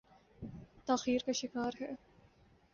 تاخیر کا شکار ہے۔